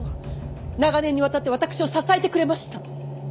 長年にわたって私を支えてくれました。